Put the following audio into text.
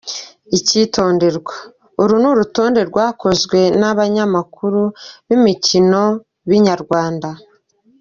Icyitonderwa: Uru ni urutonde rwakozwe n’abanyamakuru b’imikino ba Inyarwanda.